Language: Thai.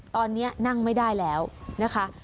ตอนนี้นั่งไม่ได้แล้วนะคะ